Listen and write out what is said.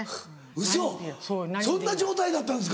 ウソそんな状態だったんですか。